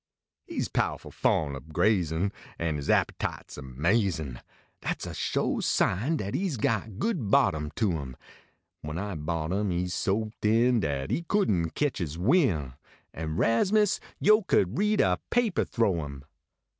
He s pow ful fond ob grazin An his appytite s amazin ; Dat s a sho sign dat e s got good bottom to im. When I bought iin e s so thin Dat e couldn t ketch s win , An Rasmus, yo could read a papah thro im.